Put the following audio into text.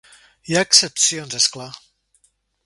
Hi ha excepcions, és clar.